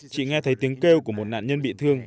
chị nghe thấy tiếng kêu của một nạn nhân bị thương